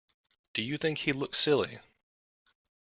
Do you think he looks silly?